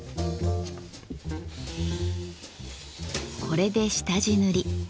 これで下地塗り。